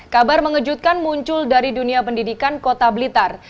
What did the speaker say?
kabar mengejutkan muncul dari dunia pendidikan kota blitar